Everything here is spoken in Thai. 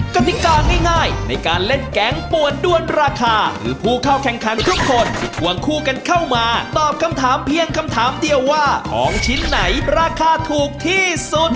กติกาง่ายในการเล่นแก๊งปวดด้วนราคาคือผู้เข้าแข่งขันทุกคนควงคู่กันเข้ามาตอบคำถามเพียงคำถามเดียวว่าของชิ้นไหนราคาถูกที่สุด